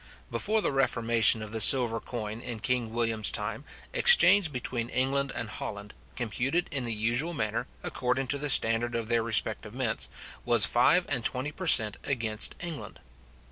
Before the reformation of the silver coin in King William's time, exchange between England and Holland, computed in the usual manner, according to the standard of their respective mints, was five and twenty per cent. against England.